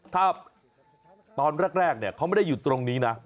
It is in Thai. ถ้าตอนแรกเขาไม่ได้อยู่ตรงนี้นะ